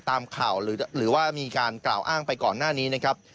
ตามข่าวหรือว่ามีการกล่าวอ้างไปก่อนหน้านี้นะครับ